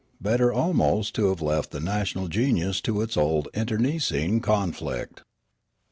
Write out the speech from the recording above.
Better almost to have left the national genius to its old internecine conflict.